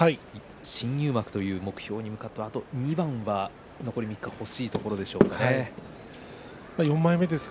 新入幕という目標に向かってあと２番は残り３日欲しいところですか。